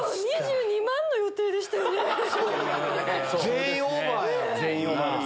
全員オーバーやもんな。